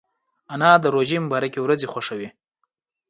انا د روژې مبارکې ورځې خوښوي